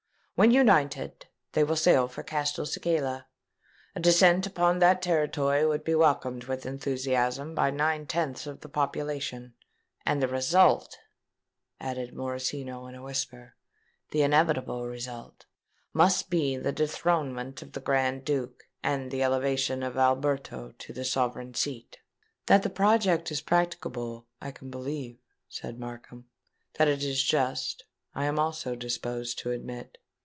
When united, they will sail for Castelcicala. A descent upon that territory would be welcomed with enthusiasm by nine tenths of the population; and the result," added Morosino, in a whisper,—"the inevitable result must be the dethronement of the Grand Duke and the elevation of Alberto to the sovereign seat." "That the project is practicable, I can believe," said Markham; "that it is just, I am also disposed to admit.